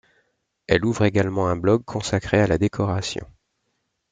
Elle ouvre également un blog consacré à la décoration.